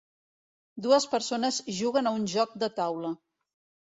Dues persones juguen a un joc de taula